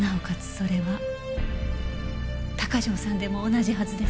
それは鷹城さんでも同じはずです。